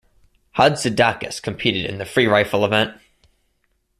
Hatzidakis competed in the free rifle event.